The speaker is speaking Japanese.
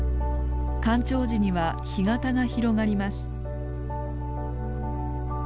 干潮時には干潟が広がります。